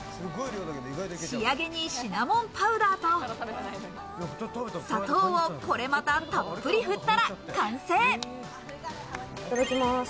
仕上げにシナモンパウダーと砂糖をこれまたたっぷり振ったら完成。